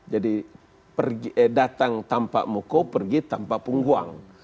jadi datang tanpa moko pergi tanpa penguang